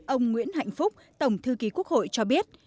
ông nguyễn hạnh phúc tổng thư ký quốc hội cho biết